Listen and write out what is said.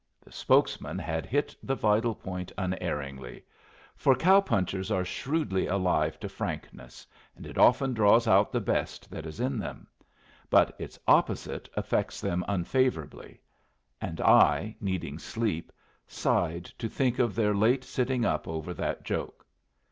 The spokesman had hit the vital point unerringly; for cow punchers are shrewdly alive to frankness, and it often draws out the best that is in them; but its opposite affects them unfavorably; and I, needing sleep, sighed to think of their late sitting up over that joke.